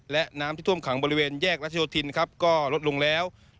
และน้ำที่ท่วมขังบริเวณแยกรัชโยธินครับก็ลดลงแล้ว